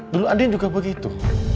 dulu andien juga begitu